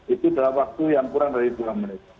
itu dalam waktu yang kurang dari dua menit